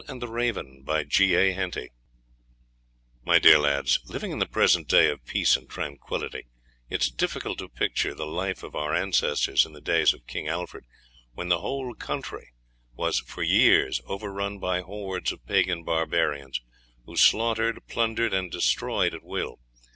UNITED PREFACE MY DEAR LADS, Living in the present days of peace and tranquillity it is difficult to picture the life of our ancestors in the days of King Alfred, when the whole country was for years overrun by hordes of pagan barbarians, who slaughtered, plundered, and destroyed at will.